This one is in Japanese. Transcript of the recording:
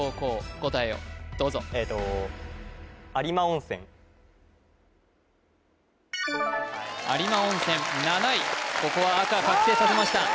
答えをどうぞえと有馬温泉７位ここは赤確定させました